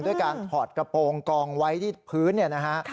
ด้วยการถอดกระโปรงกองไว้ที่พื้น